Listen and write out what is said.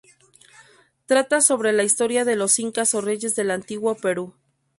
Trata sobre la historia de los Incas o reyes del Antiguo Perú.